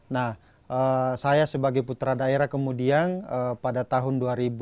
nah saya sebagai putra daerah kemudian pada tahun dua ribu